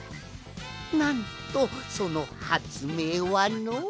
なんとそのはつめいはの。